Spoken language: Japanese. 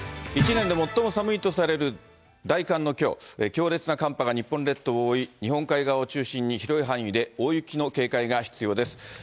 一年で最も寒いとされる大寒のきょう、強烈な寒波が日本列島を覆い、日本海側を中心に広い範囲で大雪の警戒が必要です。